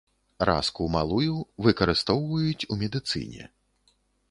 Раску малую выкарыстоўваюць у медыцыне.